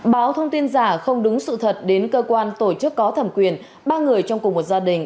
báo thông tin giả không đúng sự thật đến cơ quan tổ chức có thẩm quyền ba người trong cùng một gia đình